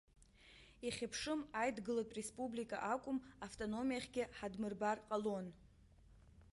Ихьыԥшым аидгылатә республика акәым, автономиахьгьы ҳадмырбар ҟалон.